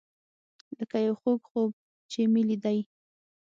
لکه یو خوږ خوب چې مې لیدی.